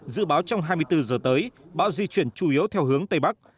dự báo trong hai mươi bốn giờ tới bão di chuyển chủ yếu theo hướng tây bắc